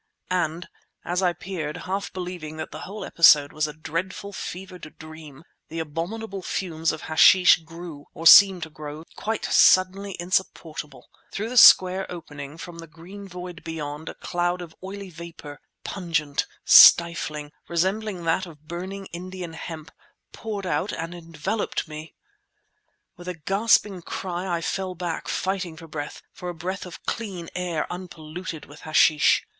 And as I peered, half believing that the whole episode was a dreadful, fevered dream, the abominable fumes of hashish grew, or seemed to grow, quite suddenly insupportable. Through the square opening, from the green void beyond, a cloud of oily vapour, pungent, stifling, resembling that of burning Indian hemp, poured out and enveloped me! With a gasping cry I fell back, fighting for breath, for a breath of clean air unpolluted with hashish.